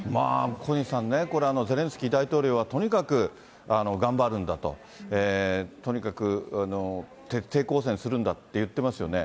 小西さん、これ、ゼレンスキー大統領はとにかく頑張るんだと、とにかく徹底抗戦するんだって言ってますよね。